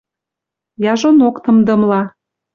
Яжонок тымдымла